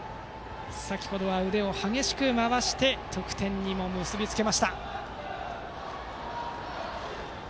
先程は腕を激しく回して得点に結び付けました。